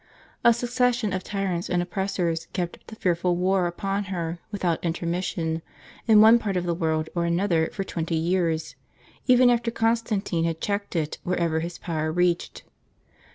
A suc cession of tyrants and oppressors kept up the fearful war upon her, without intermission, in one part of the world or another for twenty years, even after Constantine had checked it wherever his power reached.